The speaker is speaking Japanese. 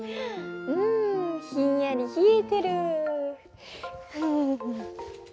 うんひんやりひえてる。